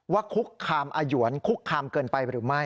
คุกคามอยวนคุกคามเกินไปหรือไม่